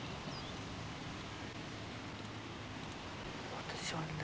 私はね。